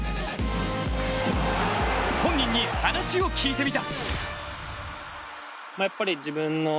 本人に話を聞いてみた。